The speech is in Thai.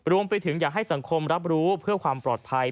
รวมไปถึงอยากให้สังคมรับรู้เพื่อความปลอดภัย